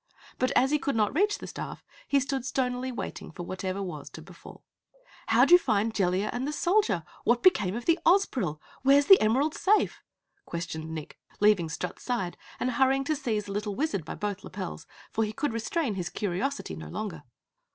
But as he could not reach the staff, he stood stonily waiting for whatever was to befall. "How'd you find Jellia and the Soldier? What became of the Ozpril? Where's the Emerald safe?" questioned Nick, leaving Strut's side and hurrying to seize the little Wizard by both lapels, for he could restrain his curiosity no longer.